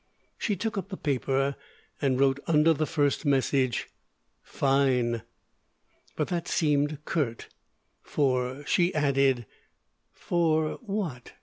She took up the paper, and wrote under the first message: Fine But that seemed curt: "for " she added; "for" what?